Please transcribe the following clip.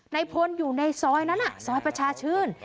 ในพลอยู่ในซอยนั้นซอยประชาชื่น